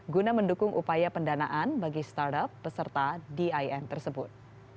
guna mendukung upaya pendanaan bagi startup peserta din tersebut